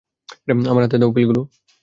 আমার হাতে দাও পিলগুলো!